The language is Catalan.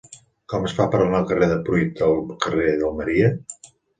Com es fa per anar del carrer de Pruit al carrer d'Almeria?